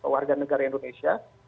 warga negara indonesia